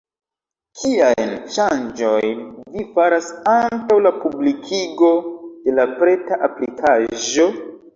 Kiajn ŝanĝojn vi faras antaŭ la publikigo de la preta aplikaĵo?